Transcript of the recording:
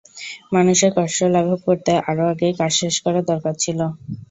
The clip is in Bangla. মানুষের কষ্ট লাঘব করতে আরও আগেই কাজ শেষ করার দরকার ছিল।